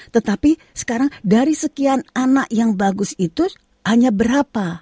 tetapi sekarang dari sekian anak yang bagus itu hanya berapa